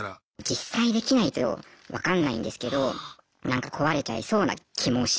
実際できないと分かんないんですけどなんか壊れちゃいそうな気もしますね。